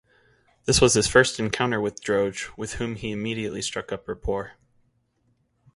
This was his first encounter with Droege, with whom he immediately struck up rapport.